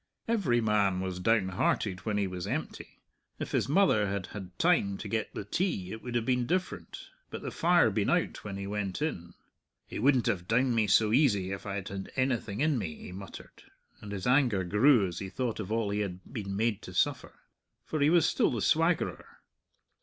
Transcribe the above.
Every man was down hearted when he was empty. If his mother had had time to get the tea, it would have been different; but the fire had been out when he went in. "He wouldn't have downed me so easy if I had had anything in me," he muttered, and his anger grew as he thought of all he had been made to suffer. For he was still the swaggerer.